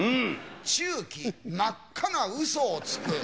中期真っ赤なウソをつく。